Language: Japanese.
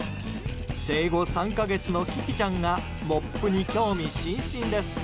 生後３か月のキキちゃんがモップに興味津々です。